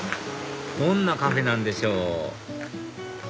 どんなカフェなんでしょう？